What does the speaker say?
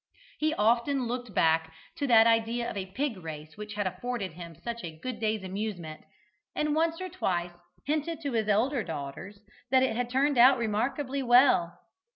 He often looked back to that idea of a pig race which had afforded him such a good day's amusement, and once or twice hinted to his two elder daughters that it had turned out remarkably well.